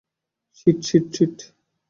Sheet, shit, sheet!